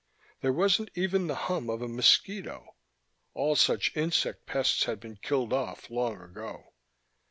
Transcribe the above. There wasn't even the hum of a mosquito; all such insect pests had been killed off long ago.